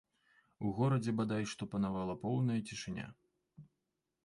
У горадзе бадай што панавала поўная цішыня.